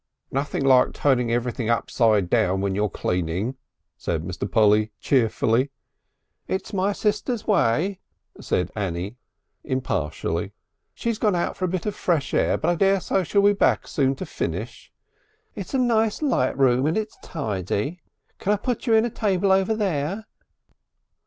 "Nothing like turning everything upside down when you're cleaning," said Mr. Polly cheerfully. "It's my sister's way," said Annie impartially. "She's gone out for a bit of air, but I daresay she'll be back soon to finish. It's a nice light room when it's tidy. Can I put you a table over there?"